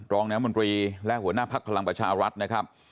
รองแนวมนตรีและหัวหน้าภักรรมประชารัฐนะครับ